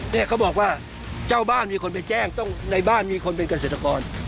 เนี่ยเขาบอกว่าเจ้าบ้านมีคนไปแจ้งต้องในบ้านมีคนเป็นเกษตรกร